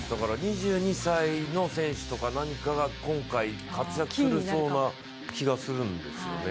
２２歳の選手とか何かが今回、活躍しそうな気がするんですよね。